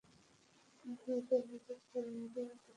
মান্দ্রাজের পর আরও বেড়ে গেল।